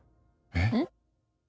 えっ？